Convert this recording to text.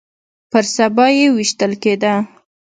پر سبا يې ويشتل کېده.